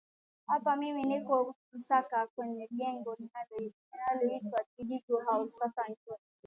hapa mimi niko msaka kwenye jengo linaloitwa idigo house sasa njoo